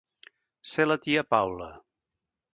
Ser la tia Paula.